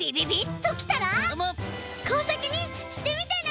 こうさくにしてみてね！